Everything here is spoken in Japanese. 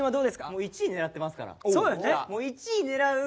もう１位狙ってますから。